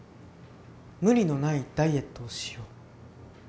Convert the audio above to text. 無理のないダイエットをしよう。